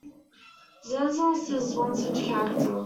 Xanxost is one such character.